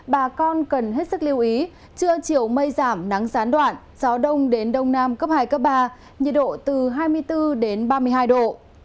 bà con cần hết sức lưu ý trưa chiều mây giảm nắng gián đoạn gió đông đến đông nam cấp hai cấp ba nhiệt độ từ hai mươi bốn đến ba mươi hai độ